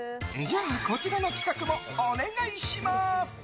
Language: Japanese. こちらの企画もお願いします。